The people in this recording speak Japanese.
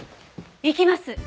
行きます！